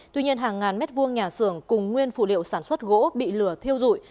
tuy nhiên hàng ngàn mét vuông nhà xưởng cùng nguyên phụ liệu sản xuất gỗ bị lửa thiêu dụi